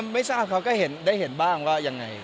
ไม่ทราบเขาก็ได้เห็นบ้างว่ายังไง